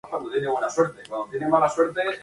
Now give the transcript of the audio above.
En el mismo año, la empresa compró Seller Corp Ltda.